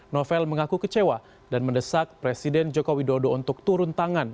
novel mengaku kecewa dan mendesak presiden joko widodo untuk turun tangan